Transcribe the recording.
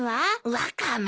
ワカメ。